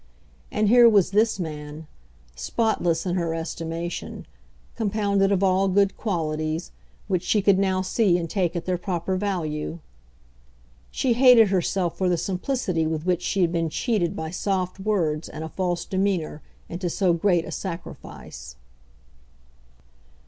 And here was this man, spotless in her estimation, compounded of all good qualities, which she could now see and take at their proper value. She hated herself for the simplicity with which she had been cheated by soft words and a false demeanour into so great a sacrifice.